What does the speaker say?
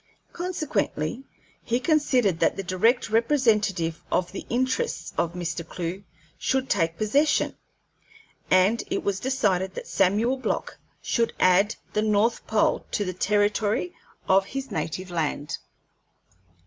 Consequently he considered that the direct representative of the interests of Mr. Clewe should take possession, and it was decided that Samuel Block should add the north pole to the territory of his native land.